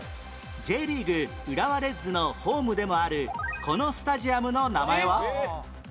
Ｊ リーグ浦和レッズのホームでもあるこのスタジアムの名前は？